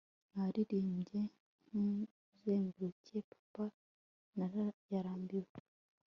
Naririmbye Ntuzenguruke Papa yarambwiye